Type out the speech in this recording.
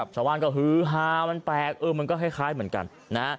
ชาวบ้านก็ฮือฮามันแปลกเออมันก็คล้ายเหมือนกันนะฮะ